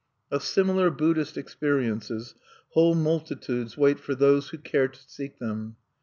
Of similar Buddhist experiences whole multitudes wait for those who care to seek them.